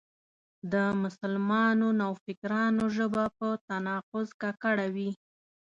د مسلمانو نوفکرانو ژبه په تناقض ککړه وي.